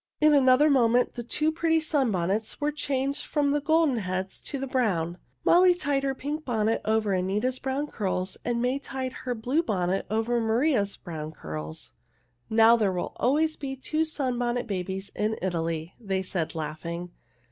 In another moment the two pretty sunbonnets were changed from the golden heads to the brown. Molly tied her pink bonnet over Anita's brown curls and May tied her blue bonnet over Maria's brown curls. "Now there will always be two Sunbonnet Babies in Italy," they said, laughing.